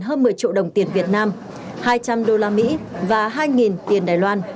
số tiền hơn một mươi triệu đồng tiền việt nam hai trăm linh đô la mỹ và hai tiền đài loan